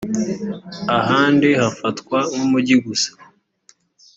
ahandi hafatwa nk umujyi gusa